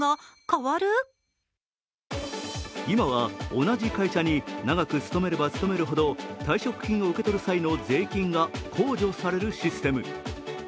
今は同じ会社に長く勤めれば勤めるほど、退職金を受け取る際の税金が控除されるシステム。